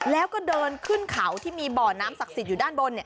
แล้วก็เดินขึ้นเขาที่มีบ่อน้ำศักดิ์สิทธิ์อยู่ด้านบน